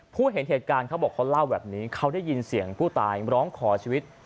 เห็นเหตุการณ์เขาบอกเขาเล่าแบบนี้เขาได้ยินเสียงผู้ตายร้องขอชีวิต